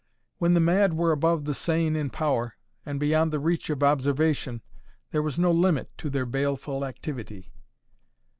When the mad were above the sane in power, and beyond the reach of observation, there was no limit to their baleful activity.